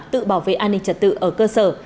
tự bảo vệ an ninh trật tự ở cơ sở